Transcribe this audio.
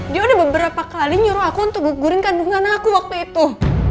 dia udah beberapa kali nyuruh aku untuk gurihkan bunganya aku waktu itu